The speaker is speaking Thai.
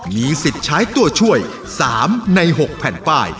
มีสิทธิ์ใช้ตัวช่วย๓ใน๖แผ่นป้าย